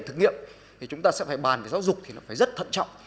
thì chúng ta sẽ phải bàn về giáo dục thì nó phải rất thận trọng